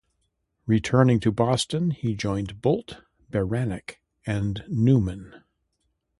Returning to Boston he joined Bolt, Beranek and Newman.